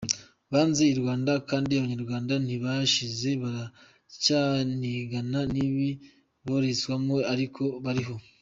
Banze I Rwanda kandi abanyarwanda ntibashize baracyanigana n’ibibi boretswemo ariko bariho!